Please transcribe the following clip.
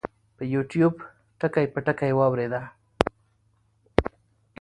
پۀ يو ټيوب ټکے پۀ ټکے واورېده -